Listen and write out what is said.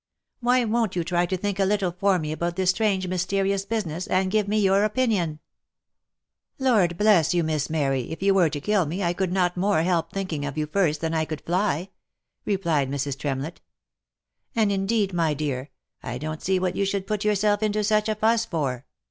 Why won't you try to think a little for me about this strange mysterious business, and give me your opinion ?"" Lord bless you, Miss Mary, if you were to kill me, I could no more help thinking of you first than I could fly," replied Mrs. Tremlett. " And, indeed, my dear, I don't see what you should put yourself into such a fuss for.